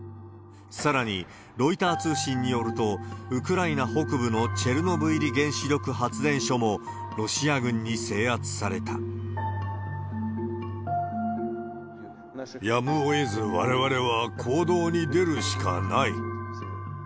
さらに、ロイター通信によると、ウクライナ北部のチェルノブイリ原子力発電所もロシア軍に制圧さやむをえず、われわれは行動に出るしかない。